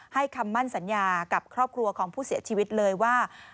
คำมั่นสัญญากับครอบครัวของผู้เสียชีวิตเลยว่า